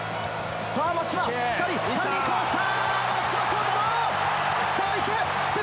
さあ松島、２人、３人、かわした。